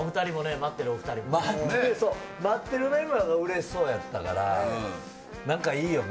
待ってるメンバーがうれしそうだったから、なんかいいよね。